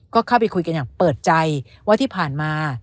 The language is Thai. ก็เข้าไปคุยกันอย่างเปิดใจว่าที่ผ่านมา